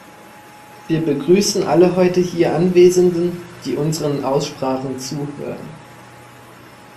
Wir begrüßen alle heute hier Anwesenden, die unseren Aussprachen zuhören.